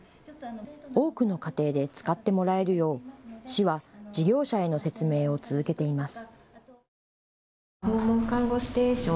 多くの家庭で使ってもらえるよう市は事業者への説明を続けています。